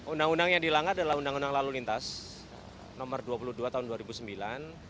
undang undang yang dilanggar adalah undang undang lalu lintas nomor dua puluh dua tahun dua ribu sembilan